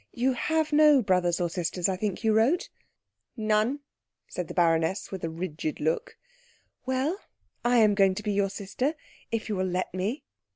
You have no brothers or sisters, I think you wrote." "None," said the baroness with a rigid look. "Well, I am going to be your sister, if you will let me."